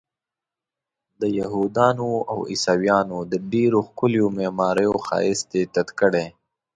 د یهودانو او عیسویانو د ډېرو ښکلیو معماریو ښایست یې تت کړی.